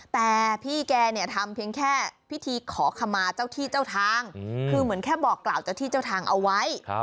แต่พี่แกเนี่ยทำเพียงแค่พิธีขอขมาเจ้าที่เจ้าทางคือเหมือนแค่บอกกล่าวเจ้าที่เจ้าทางเอาไว้